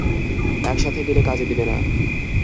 একসাথে গেলে কাজে দিবে না।